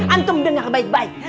antum dengar baik baik